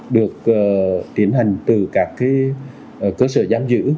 được tiến hành từ các cơ sở giam giữ